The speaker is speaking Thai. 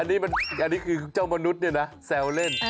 อันนี้คือเจ้ามนุษย์เนี่ยนะแซวเล่น